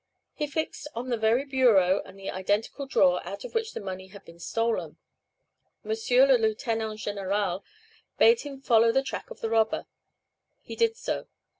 He fixed on the very bureau and the identical drawer out of which the money had been stolen. M. le Lieutenant Général bade him follow the track of the robber. He did so.